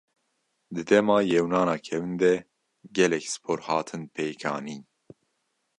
Di dema Yewnana kevin de gelek Spor hatin pêk anîn.